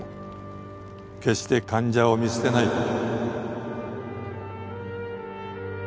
決して患者を見捨てない事。